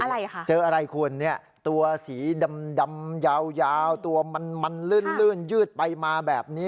อะไรค่ะเจออะไรควรเนี่ยตัวสีดำยาวตัวมันลื่นยืดไปมาแบบนี้